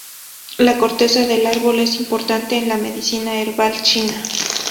La corteza del árbol es importante en la medicina herbal china.